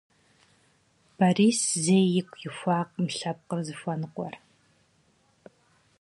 Борис зэи игу ихуакъым лъэпкъыр зыхуэныкъуэр.